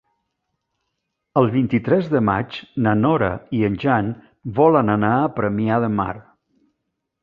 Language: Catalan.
El vint-i-tres de maig na Nora i en Jan volen anar a Premià de Mar.